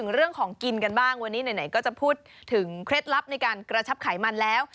เรื่องของกินกันบ้างวันนี้ไหนก็จะพูดถึงเคล็ดลับในการกระชับไขมันแล้ว